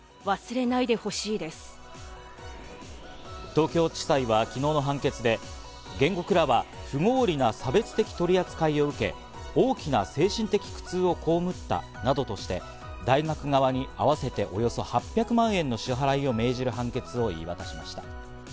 東京地裁は昨日の判決で原告らは不合理な差別的取り扱いを受け、大きな精神的苦痛をこうむったなどとして、大学側に合わせておよそ８００万円の支払いを命じる判決を言い渡しました。